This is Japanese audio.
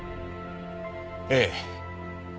ええ。